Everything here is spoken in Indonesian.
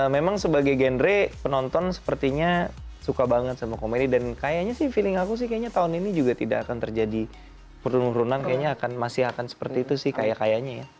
memang sebagai genre penonton sepertinya suka banget sama komedi dan kayaknya sih feeling aku sih kayaknya tahun ini juga tidak akan terjadi penurunan kayaknya akan masih akan seperti itu sih kayak kayaknya ya